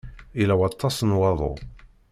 Yella waṭas n waḍu.